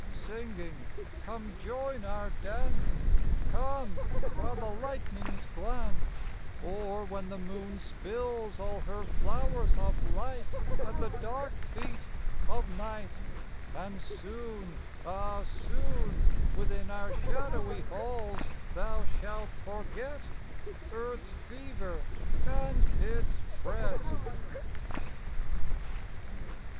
Singing: "Come join our dance! Come, while the lightnings glance, Or when the moon Spills all her flowers of light At the dark feet of night; And soon, ah, soon, Within our shadowy halls thou shalt forget Earth's fever and its fret."